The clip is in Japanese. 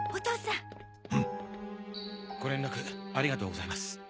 ん！ご連絡ありがとうございます。